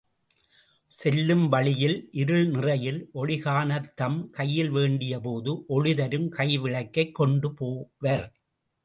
செல்லும் வழியில் இருள் நிறையில் ஒளி காணத் தம் கையில்வேண்டியபோது ஒளிதரும் கைவிளக்கைக்கொண்டு போவர்.